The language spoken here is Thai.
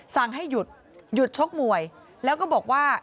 สั่งให้หยุดหยุดชกมวยแล้วก็บอกว่า